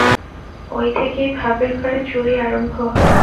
ঐ থেকেই ভাবের ঘরে চুরি আরম্ভ হয়।